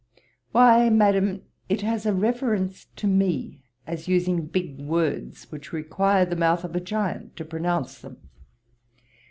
'Why, Madam, it has a reference to me, as using big words, which require the mouth of a giant to pronounce them.